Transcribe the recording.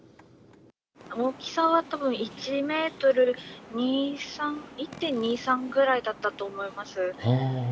大きさはたぶん１メートル２、３、１．２、３ぐらいだったと思います。